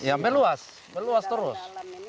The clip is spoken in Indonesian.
ya meluas meluas terus